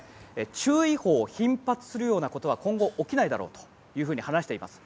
注意報の頻発するようなことは今後起きないだろうと話しています。